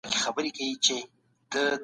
احمد شاه ابدالي څنګه د جګړي پلان جوړاوه؟